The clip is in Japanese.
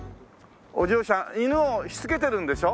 お嬢さん犬をしつけてるんでしょ？